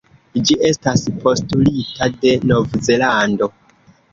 Ĝi estas postulita de Novzelando.